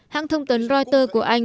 hãng thông tấn reuters của anh